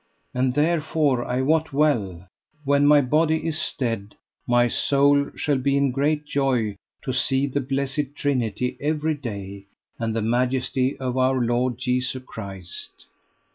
And therefore I wot well, when my body is dead my soul shall be in great joy to see the blessed Trinity every day, and the majesty of Our Lord, Jesu Christ.